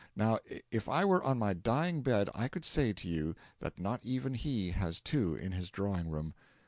Now, if I were on my dying bed, I could say to you that not even he has two in his drawing room.